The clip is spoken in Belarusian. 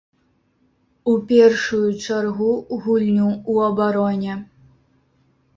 У першую чаргу гульню ў абароне.